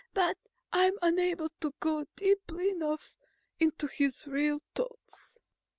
"But I'm unable to go deeply enough into his real thoughts."